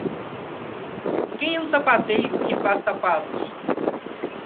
Quem é um sapateiro que faz sapatos.